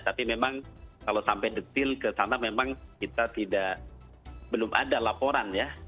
tapi memang kalau sampai detil ke sana memang kita belum ada laporan ya